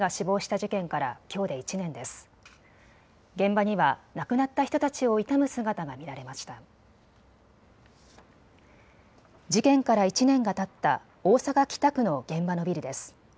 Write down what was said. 事件から１年がたった大阪北区の現場のビルです。